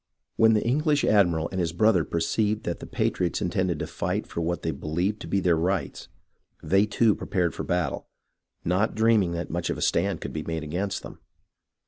When the English admiral and his brother perceived that the patriots intended to fight for what they believed to be their rights, they too prepared for battle, not dream ing that much of a stand could be made against them.